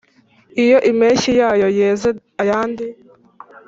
iyo mpishyi yayo yeze ayandi.